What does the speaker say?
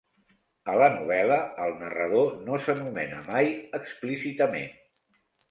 A la novel·la, el narrador no s'anomena mai explícitament.